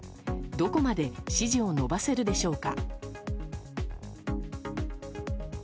どこまで支持を伸ばせるでしょうか。